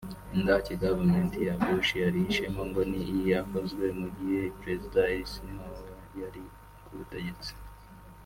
Indake gouvernement ya Bush yarihishemo ngo ni iyakozwe mu gihe perezida Eisenhower yari kubutegetsi